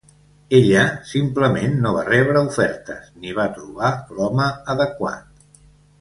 Ella simplement no va rebre ofertes ni va trobar l'home adequat.